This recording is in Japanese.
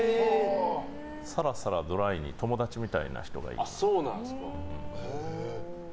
サラサラ、ドライに友達みたいな人がいいかなと。